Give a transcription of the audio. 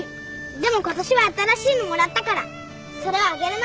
でも今年は新しいのもらったからそれはあげるな。